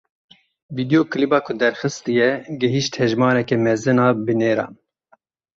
Vîdeoklîba ku derxistiye gihîşt hejmareke mezin a bîneran.